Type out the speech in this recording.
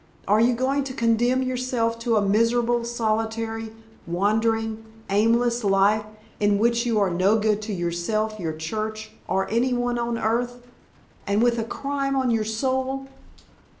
Are you going to condemn yourself to a miserably solitary, wandering, aimless life, in which you are no good to yourself, your Church, or any one on earth and with a crime on your soul?"